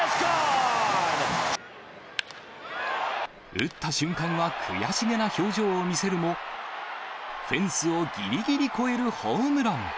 打った瞬間は悔しげな表情を見せるも、フェンスをぎりぎり越えるホームラン。